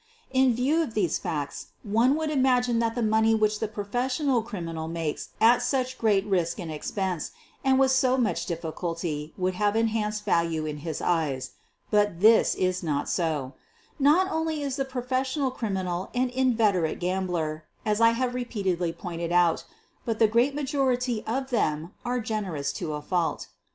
In view of these facts one would imagine that the money which the professional criminal makes at such great risk and expense and with so much difficulty would have an enhanced value in his eyes. But this QUEEN OF THE BURGLARS 251 is not so. Not only is the professional criminal an inveterate gambler, as I have repeatedly pointed out, but the great majority of them are generous to a fault.